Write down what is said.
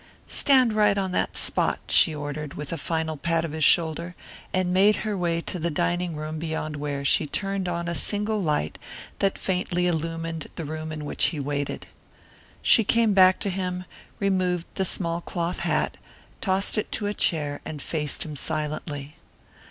"Stand right on that spot," she ordered, with a final pat of his shoulder, and made her way to the dining room beyond where she turned on a single light that faintly illumined the room in which he waited. She came back to him, removed the small cloth hat, tossed it to a chair, and faced him silently.